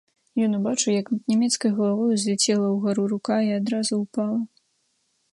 Ён бачыў, як над нямецкай галавой узляцела ўгару рука і адразу ўпала.